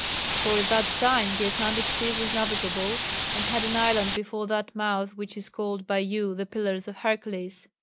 For at that time the Atlantic sea was navigable and had an island before that mouth which is called by you the Pillars of Hercules.